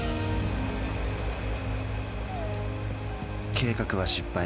計画は失敗。